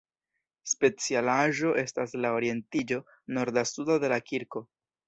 Specialaĵo estas la orientiĝo norda-suda de la kirko.